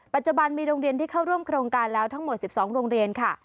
ปัจจุบันมีโรงเรียนที่เข้าร่วมโครงการแล้วทั้งหมด๑๒โรงเรียนค่ะ